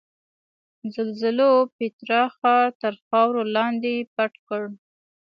زلزلو پیترا ښار تر خاورو لاندې پټ کړ.